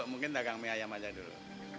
mungkin dagang mie ayam aja dulu